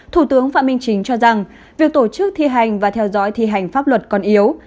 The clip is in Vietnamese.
thủ tướng phạm minh chính cho rằng việc tổ chức thi hành và theo dõi thi hành pháp luật còn yếu